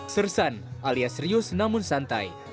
sersan alias serius namun santai